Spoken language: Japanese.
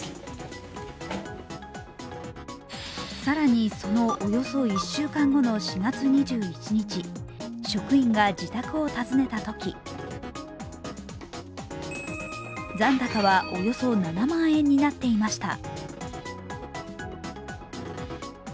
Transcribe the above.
更にそのおよそ１週間後の４月２１日、職員が自宅を訪ねたとき残高はおよそ７万円になっていました。